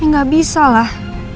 ya gak bisa lah